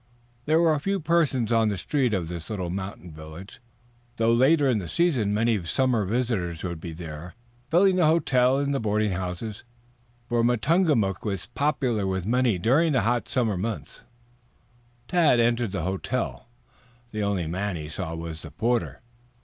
There were few persons on the streets of the little mountain village, though later in the season many summer visitors would be there, filling the hotel and the boarding houses, for Matungamook was popular with many during the hot months of summer. Tad entered the hotel. The only man he saw was the porter.